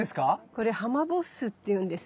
これハマボッスっていうんです。